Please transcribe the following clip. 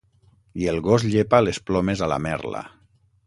I el gos llepa les plomes a la merla.